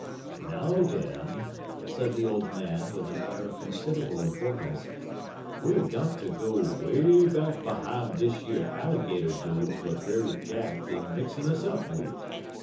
"Now, den," said the old man, with an air of considerable importance, "we er got ter go 'way back behime dish yer yallergater doin's w'at Brer Jack bin mixin' us up wid.